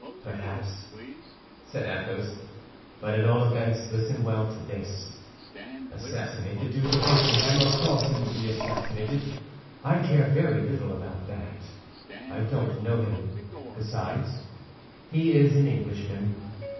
"Perhaps," said Athos; "But at all events listen well to this. Assassinate the Duke of Buckingham, or cause him to be assassinated—I care very little about that! I don't know him. Besides, he is an Englishman.